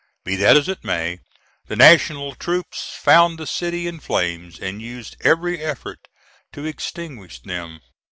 Be that as it may, the National troops found the city in flames, and used every effort to extinguish them.